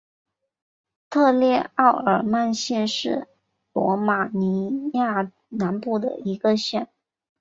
特列奥尔曼县是罗马尼亚南部的一个县。